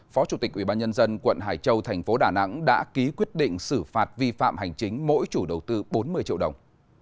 phó chủ tịch ubnd quận hải châu thành phố đà nẵng đã ký quyết định xử phạt vi phạm hành chính mỗi chủ đầu tư bốn mươi triệu đồng